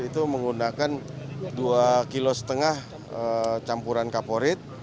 itu menggunakan dua lima kilo campuran kaporit